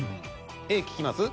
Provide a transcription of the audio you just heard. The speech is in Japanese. Ａ聞きます？